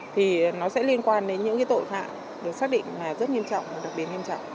thì nó sẽ liên quan đến những tội phạm được xác định rất nghiêm trọng đặc biệt nghiêm trọng